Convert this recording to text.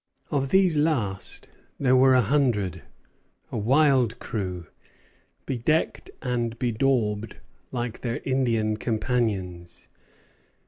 Of these last there were a hundred, a wild crew, bedecked and bedaubed like their Indian companions.